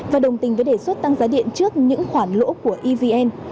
và đồng tình với đề xuất tăng giá điện trước những khoản lỗ của evn